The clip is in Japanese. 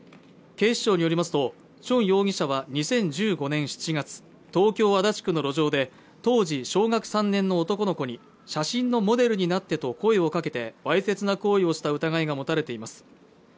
警視庁によりますとチョン容疑者は２０１５年７月東京足立区の路上で当時小学３年の男の子に写真のモデルになってと声をかけてわいせつな行為をした疑いが持たれています